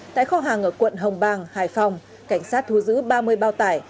tại kho hàng ở quận hồng bàng hải phòng cảnh sát thu giữ ba mươi bao tải